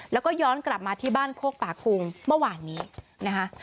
แล้วก็ย้อนกลับมาที่บ้านโคกป่าคุงเมื่อวานนี้นะคะ